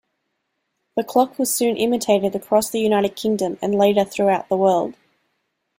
The clock was soon imitated across the United Kingdom and later throughout the world.